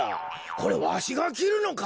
これわしがきるのか？